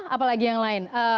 apalagi yang lain